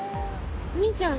お兄ちゃん。